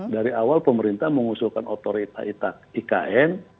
dari awal pemerintah mengusulkan otorita ikn